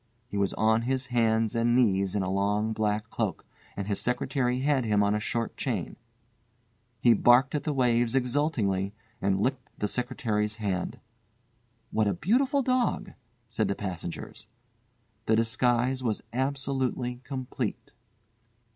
He was on his hands and knees in a long black cloak, and his secretary had him on a short chain. He barked at the waves exultingly and licked the secretary's hand. "What a beautiful dog," said the passengers. The disguise was absolutely complete.